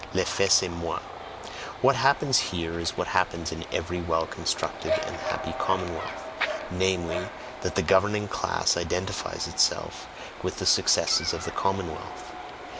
L'EFFET C'EST MOI. what happens here is what happens in every well constructed and happy commonwealth, namely, that the governing class identifies itself with the successes of the commonwealth.